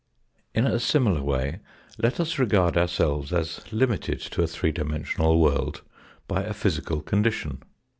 In a similar way let us regard ourselves as limited to a three dimensional world by a physical condition.